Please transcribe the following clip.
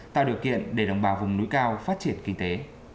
tạo điều kiện để đồng bào vùng núi cao phát triển kinh tế